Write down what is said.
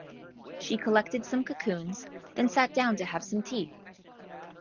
She collected some cocoons, then sat down to have some tea.